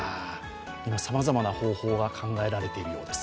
今さまざまな方法が考えられているようです。